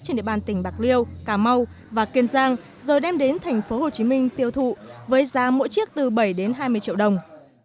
trên địa bàn tỉnh bạc liêu cà mau và kiên giang rồi đem đến thành phố hồ chí minh tiêu thụ với giá mỗi chiếc từ bảy đến hai mươi triệu đồng